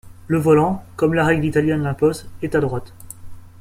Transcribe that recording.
Le volant, comme la règle italienne l'impose, est à droite.